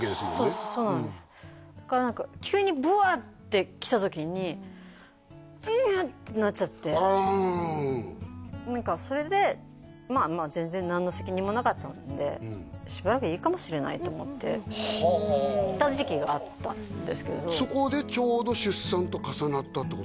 そうですそうなんですだから何か急にブワッて来た時にうわっ！ってなっちゃってうん何かそれでまあまあ全然何の責任もなかったのでって時期があったんですけどそこでちょうど出産と重なったってことですね？